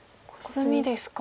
コスミですか。